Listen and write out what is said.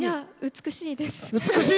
美しいです。